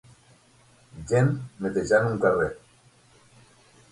Gent netejant un carrer.